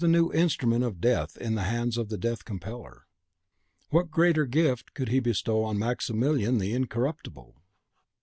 It was a new instrument of death in the hands of the Death compeller. What greater gift could he bestow on Maximilien the Incorruptible?